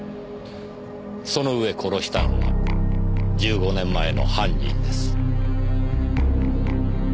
その上殺したのは１５年前の犯人です。